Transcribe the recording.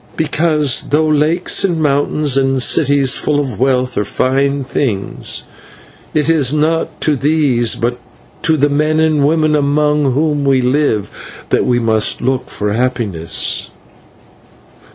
"Because, though lakes and mountains and cities full of wealth are fine things, it is not to these, but to the men and women among whom we live, that we must look for happiness."